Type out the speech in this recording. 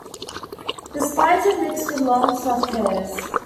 The spines are mixed with long, soft hairs.